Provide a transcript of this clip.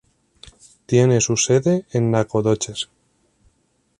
Tiene su sede en Nacogdoches.